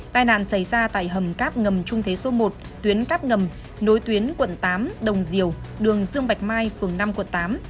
tai nạn xảy ra tại hầm cáp ngầm trung thế số một tuyến cắp ngầm nối tuyến quận tám đồng diều đường dương bạch mai phường năm quận tám